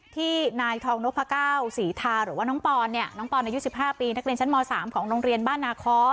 ที่นายทองนพก้าวศรีทาหรือว่าน้องปอนเนี่ยน้องปอนอายุ๑๕ปีนักเรียนชั้นม๓ของโรงเรียนบ้านนาคอ